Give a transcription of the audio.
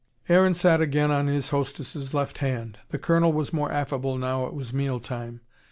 Aaron sat again on his hostess' left hand. The Colonel was more affable now it was meal time.